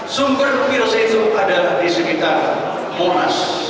sumber virus itu ada di sekitar monas